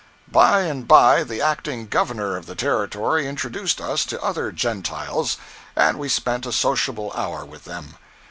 By and by the Acting Governor of the Territory introduced us to other "Gentiles," and we spent a sociable hour with them.